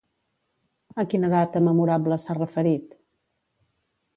A quina data memorable s'ha referit?